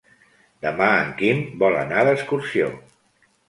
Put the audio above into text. Demà en Quim vol anar d'excursió.